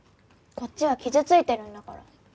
こっちは傷ついてるんだから。